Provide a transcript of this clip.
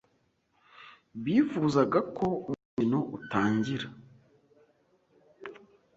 Bifuzaga ko umukino utangira.